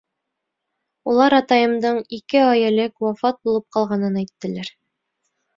Улар атайымдың ике ай элек вафат булып ҡалғанын әйттеләр.